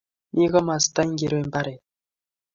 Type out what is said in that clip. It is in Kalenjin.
Mi komasta ingoro mbaret?